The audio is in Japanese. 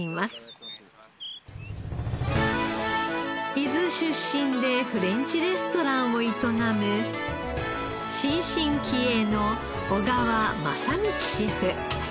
伊豆出身でフレンチレストランを営む新進気鋭の小川正道シェフ。